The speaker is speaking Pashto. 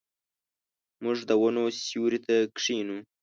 موږ د ونو سیوري ته کښینو.